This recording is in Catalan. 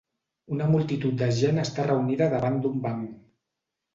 Una multitud de gent està reunida davant d'un banc.